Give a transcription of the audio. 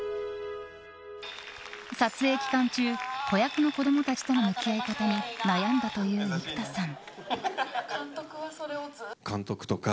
撮影期間中子役の子供たちとの向き合い方に悩んだという生田さん。